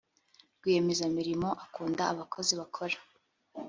rwiyemezamirimo akunda abakozi bakora.